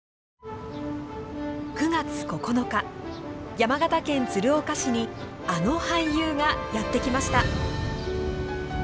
山形県鶴岡市にあの俳優がやって来ました。